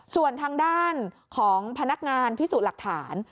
ส่วนทางด้านของพนักงานพิสูจน์หลักฐาน